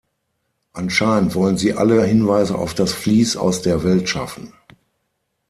Anscheinend wollen sie alle Hinweise auf das Vlies aus der Welt schaffen.